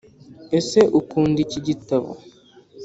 ese ukunda ikigitabo?